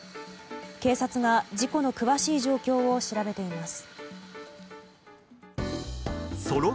警察が事故の詳しい状況を調べています。